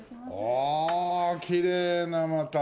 ああきれいなまた。